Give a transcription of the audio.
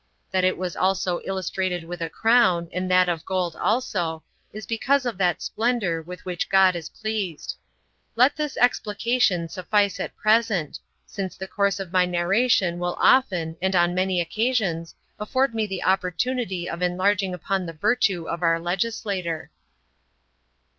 That it was also illustrated with a crown, and that of gold also, is because of that splendor with which God is pleased. Let this explication 16 suffice at present, since the course of my narration will often, and on many occasions, afford me the opportunity of enlarging upon the virtue of our legislator.